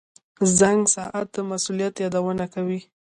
• زنګ ساعت د مسؤلیت یادونه کوي.